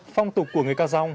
phong tục của người cao dòng